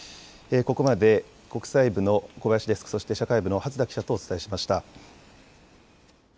ここまで国際部の小林デスク、社会部の初田記者とお伝えしました。